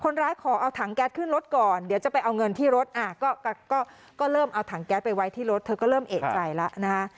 ขอเอาถังแก๊สขึ้นรถก่อนเดี๋ยวจะไปเอาเงินที่รถก็เริ่มเอาถังแก๊สไปไว้ที่รถเธอก็เริ่มเอกใจแล้วนะฮะ